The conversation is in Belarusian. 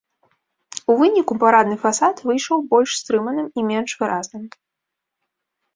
У выніку парадны фасад выйшаў больш стрыманым і менш выразным.